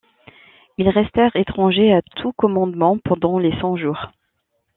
Ils restèrent étrangers à tout commandement pendant les Cent-Jours.